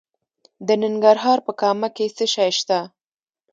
د ننګرهار په کامه کې څه شی شته؟